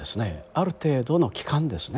ある程度の期間ですね